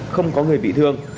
không có người bị thương